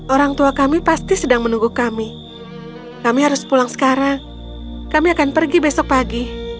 orang tua kami pasti sedang menunggu kami kami harus pulang sekarang kami akan pergi besok pagi